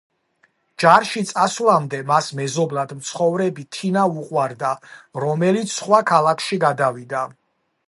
ჯარში წასვლამდე მას მეზობლად მცხოვრები თინა უყვარდა, რომელიც სხვა ქალაქში გადავიდა.